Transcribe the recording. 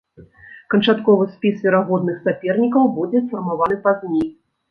Канчатковы спіс верагодных сапернікаў будзе сфармаваны пазней.